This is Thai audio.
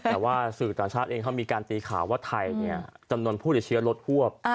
แต่ว่าสื่อต่างชาติเองเขามีการตีข่าวว่าไทยจำนวนผู้ติดเชื้อลดฮวบ